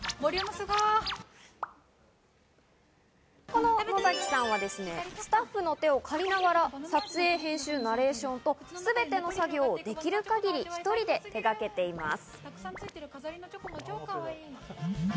この野崎さんはスタッフの手を借りながら、撮影・編集・ナレーションと、すべての作業をできる限り１人で手がけています。